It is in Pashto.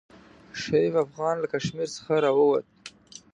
شعیب افغان له کشمیر څخه راووت.